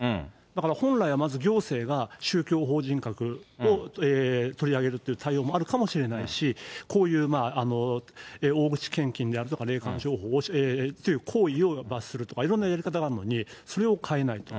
だから本来はまず行政が宗教法人格を取り上げるっていう対応もあるかもしれないし、こういう大口献金であるとか、霊感商法という行為を罰するとかいろんなやり方があるのに、それを変えないと。